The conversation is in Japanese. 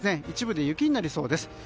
一部で雪になりそうです。